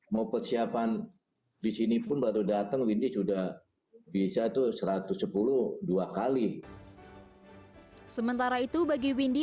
mau persiapan disini pun baru datang windy sudah bisa tuh satu ratus sepuluh dua kali sementara itu bagi windy